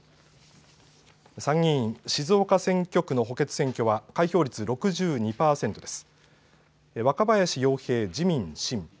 参議院静岡選挙区の補欠選挙は開票率６２％です。